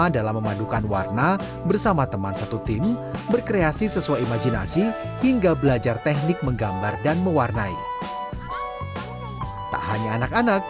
dan juga orang orang yang berpengalaman untuk menggambar dan melukis